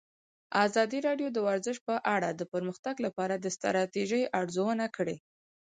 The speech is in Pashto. ازادي راډیو د ورزش په اړه د پرمختګ لپاره د ستراتیژۍ ارزونه کړې.